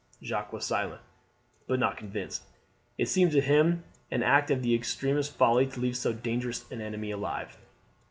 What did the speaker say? Jacques was silent, but not convinced. It seemed to him an act of the extremest folly to leave so dangerous an enemy alive.